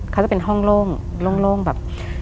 เขาจะเป็นห้องโล่งโล่งแบบ